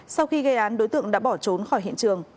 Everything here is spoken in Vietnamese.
sau khi gây án đối tượng đã bỏ trốn khỏi hiện trường